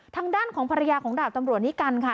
ทางด้านของภรรยาของดาบตำรวจนิกัลค่ะ